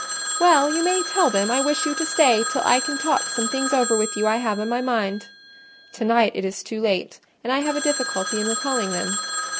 "Well, you may tell them I wish you to stay till I can talk some things over with you I have on my mind: to night it is too late, and I have a difficulty in recalling them.